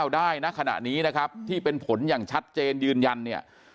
ได้นะขณะนี้นะครับที่เป็นผลอย่างชัดเจนยืนยันเนี่ย